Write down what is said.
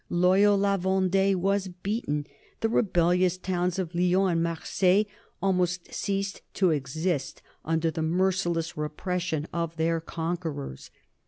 Loyal La Vendée was beaten. The rebellious towns of Lyons and Marseilles almost ceased to exist under the merciless repression of their conquerors.